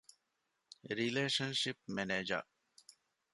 ރިލޭޝަންޝިޕް މެނޭޖަރ